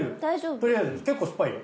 とりあえず結構酸っぱいよ。